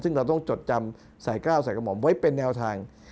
ซึ่งเราต้องจดจำสายก้าวสายกระหม่อมไว้เป็นแนวทาง